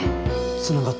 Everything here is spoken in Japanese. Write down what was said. つながった。